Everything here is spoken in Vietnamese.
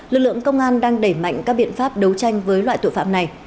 lực lượng công an đang đẩy mạnh các biện pháp đấu tranh với loại tội phạm này